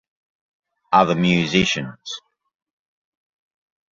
Other musicians